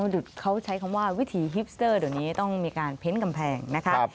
อ๋อเดี๋ยวเขาใช้คำว่าวิธีฮิปสเตอร์ตอนนี้ต้องมีการเพ้นกำแพงนะคะ